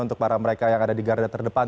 untuk para mereka yang ada di garda terdepan